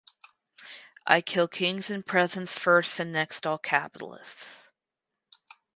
I kill kings and presidents first and next all capitalists.